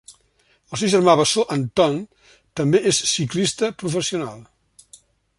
El seu germà bessó Anton també és ciclista professional.